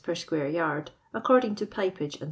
Plt square yard, according to pipeage, d'c.